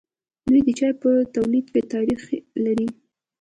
دوی د چای په تولید کې تاریخ لري.